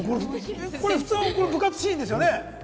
これ普通の部活シーンですよね？